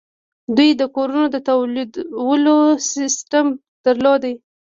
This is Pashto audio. دوی د کورونو د تودولو سیستم درلود